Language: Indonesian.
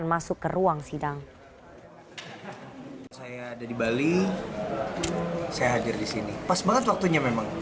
pas banget waktunya memang